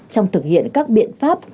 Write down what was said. trong thực hiện các biện pháp